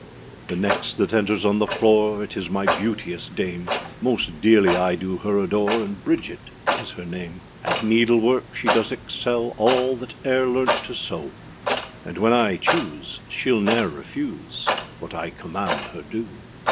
The next that enters on the floor, It is my beauteous dame; Most dearly I do her adore, And Bridget is her name. At needlework she does excel All that eâer learnt to sew, And when I choose, sheâll neâer refuse, What I command her do.